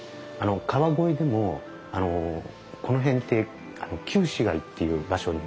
川越でもこの辺って旧市街っていう場所にあたるんですね。